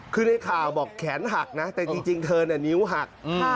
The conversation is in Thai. คือในข่าวบอกแขนหักนะแต่จริงเธอเนี่ยนิ้วหัก